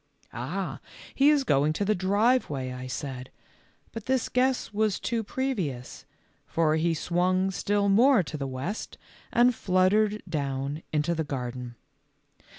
"Ah, he is going to the driveway," I said, but this guess was too previous, for he swung still more to the west and fluttered down into the garden.